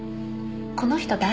この人誰？